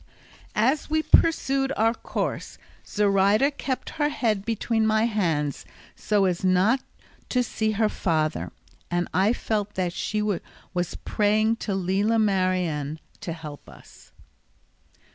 As we pursued our course Zoraida kept her head between my hands so as not to see her father, and I felt that she was praying to Lela Marien to help us.